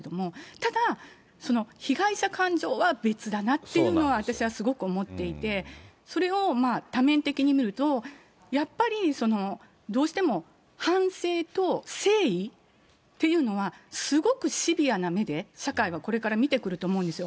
ただ、被害者感情は別だなっていうのは、私はすごく思っていて、それを多面的に見ると、やっぱりどうしても反省と誠意っていうのは、すごくシビアな目で、社会はこれから見てくると思うんですよ。